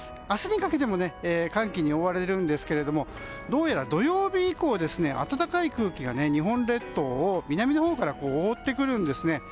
明日にかけても寒気に覆われるんですがどうやら土曜日以降暖かい空気が日本列島を南のほうから覆ってくるんですね。